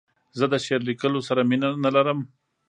زه د شعر لیکلو سره مینه نه لرم.